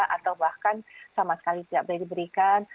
atau bahkan sama sekali tidak boleh diberikan